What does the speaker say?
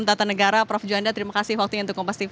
tata negara prof juanda terima kasih waktunya untuk kompastif